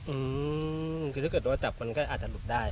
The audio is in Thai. อืมคือถ้าเกิดโดนจับมันก็อาจจะหลุดได้